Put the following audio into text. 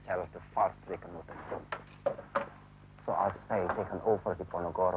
seperti mereka melakukan itu di ponogoro